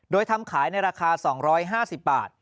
โดยทำขายในราคา๒๕๐บาท